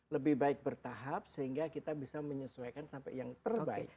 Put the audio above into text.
lebih baik bertahap sehingga kita bisa menyesuaikan sampai yang terbaik